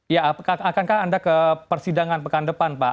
ya akankah anda ke persidangan pekan depan pak